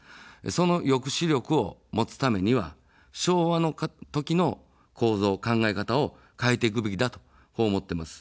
その抑止力を持つためには昭和の時の構造、考え方を変えていくべきだと思っています。